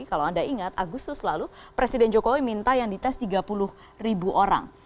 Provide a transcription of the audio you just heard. kalau anda ingat agustus lalu presiden jokowi minta yang dites tiga puluh ribu orang